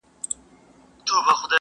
دنیا فاني ده بیا به وکړی ارمانونه،